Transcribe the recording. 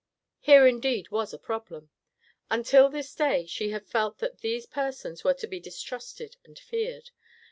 Here, indeed, was a problem. Until this day, she had felt that these persons were to be distrusted and feared.